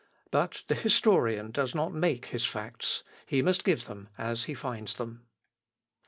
But the historian does not make his facts. He must give them as he finds them.